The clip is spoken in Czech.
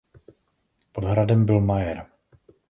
Pod hradem byl majer.